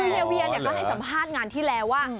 เฮีเวียก็ให้สัมภาษณ์งานที่แล้วว่า